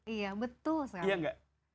iya betul sekali